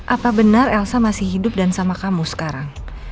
apa benar elsa masih hidup dan sama kamu sekarang